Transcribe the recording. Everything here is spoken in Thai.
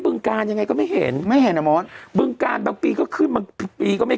ึงการยังไงก็ไม่เห็นไม่เห็นอ่ะมดบึงการบางปีก็ขึ้นบางปีก็ไม่